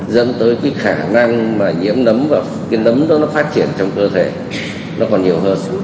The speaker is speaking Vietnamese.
dẫn tới cái khả năng mà nhiễm nấm và cái nấm đó nó phát triển trong cơ thể nó còn nhiều hơn